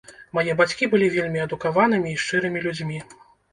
Мае бацькі былі вельмі адукаванымі і шчырымі людзьмі.